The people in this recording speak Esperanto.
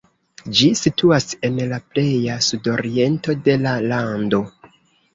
Ĝi situas en la pleja sudoriento de la lando.